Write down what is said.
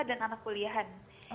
dan anak kuliahan